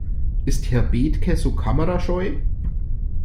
Ist Herr Bethke so kamerascheu?